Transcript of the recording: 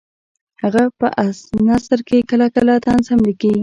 هغه په نثر کې کله کله طنز هم لیکي